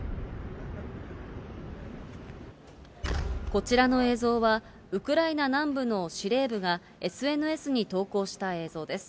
こちらの映像は、ウクライナ南部の司令部が、ＳＮＳに投稿した映像です。